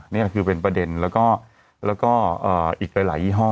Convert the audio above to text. นี่คือเป็นประเด็นแล้วก็อีกหลายยี่ห้อ